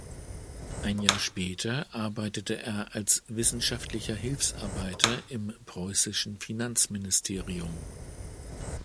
Ein Jahr später arbeitete er als wissenschaftlicher Hilfsarbeiter im preußischen Finanzministerium.